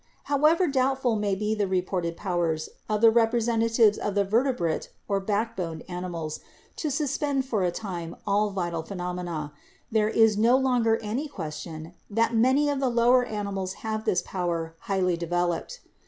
However doubtful may be the reported powers of repre sentatives of the vertebrate (or backboned) animals to suspend for a time all vital phenomena, there is no longer any question that many of the lower animals have this power highly developed.